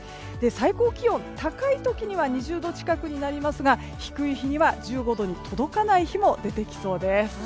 最高気温、高い時には２０度近くになりますが低い日には１５度に届かない日も出てきそうです。